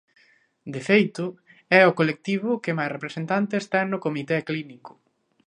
De feito, é o colectivo que máis representantes ten no Comité Clínico.